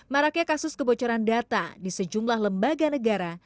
maraknya kasus kebocoran data di sejumlah lembaga negara